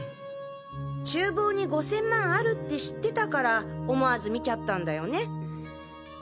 厨房に５０００万あるって知ってたから思わず見ちゃったんだよね。